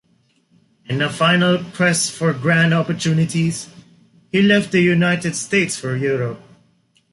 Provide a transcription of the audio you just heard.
In a final quest for grand opportunities, he left the United States for Europe.